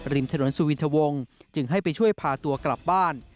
ริมถนนสุวินทวงจึงให้ไปช่วยพาตัวกลับบ้าน